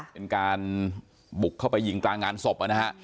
เป็นการบุกเข้าไปยิงกลางงานศพนะฮะ